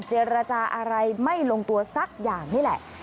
เจรจาอะไรไม่ลงตัวสักอย่างนี่แหละ